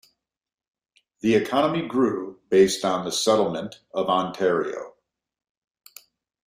The economy grew based on the settlement of Ontario.